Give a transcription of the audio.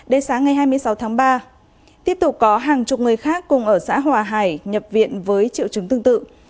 đến sáng ngày hai mươi sáu tháng ba tiếp tục có hàng chục người khác cùng ở xã hòa hải nhập viện với triệu chứng tương tự